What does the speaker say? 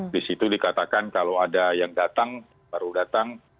di situ dikatakan kalau ada yang datang baru datang